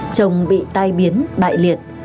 chồng bị tai biến bại liệt